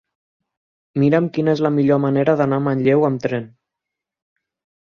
Mira'm quina és la millor manera d'anar a Manlleu amb tren.